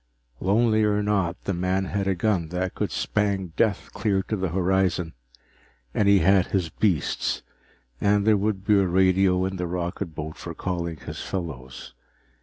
Lonely or not, the man had a gun that could spang death clear to the horizon, and he had his beasts, and there would be a radio in the rocketboat for calling his fellows.